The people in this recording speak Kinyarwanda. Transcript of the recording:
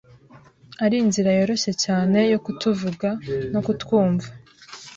ari inzira yoroshye cyane yo kutuvuga no kutwumva